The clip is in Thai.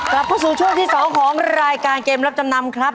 กลับเข้าสู่ช่วงที่๒ของรายการเกมรับจำนำครับ